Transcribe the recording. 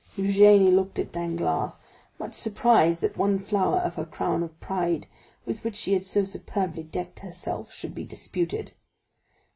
Eugénie looked at Danglars, much surprised that one flower of her crown of pride, with which she had so superbly decked herself, should be disputed.